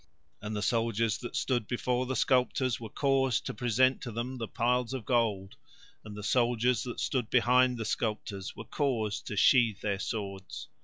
And the soldiers that stood before the sculptors were caused to present to them the piles of gold, and the soldiers that stood behind the sculptors were caused to sheath their swords.